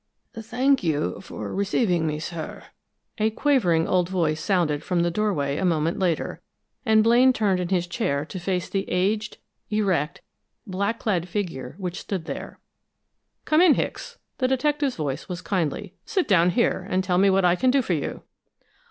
"Thank you for receiving me, sir." A quavering old voice sounded from the doorway a moment later, and Blaine turned in his chair to face the aged, erect, black clad figure which stood there. "Come in, Hicks." The detective's voice was kindly. "Sit down here, and tell me what I can do for you."